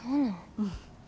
うん。